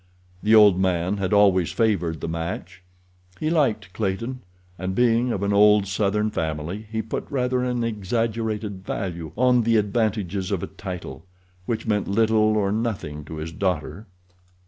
The old man had always favored the match. He liked Clayton, and, being of an old southern family, he put rather an exaggerated value on the advantages of a title, which meant little or nothing to his daughter.